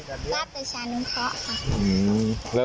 กราฟเตอร์ชานุเคราะห์ค่ะ